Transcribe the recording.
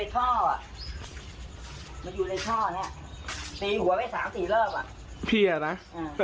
กินไก่ตัวเบอร์เลอร์เลย